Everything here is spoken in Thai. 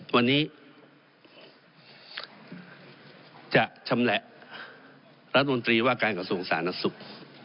วันนี้จะชำแหละรัฐมนตรีว่าการกระทรวงศาสตร์นักศุกร์